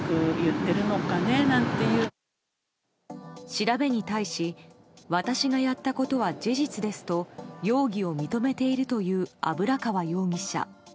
調べに対し私がやったことは事実ですと容疑を認めているという油川容疑者。